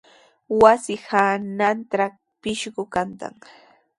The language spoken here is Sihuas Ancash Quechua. Wasi hanantraw pishqu kantan.